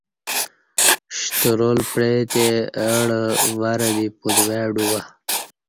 شترال پیعتے اہ ڈہ ورں دی پتوای ڈوبہ